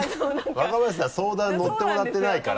若林さん相談のってもらってないから。